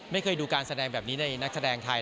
ไม่เคยดูการแสดงแบบนี้ในนักแสดงไทย